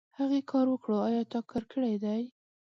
هغې کار وکړو ايا تا کار کړی دی ؟